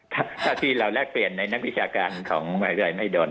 ถ้าทีแล้วแลกเปลี่ยนในนักพิชาการของรายแร่มหิดล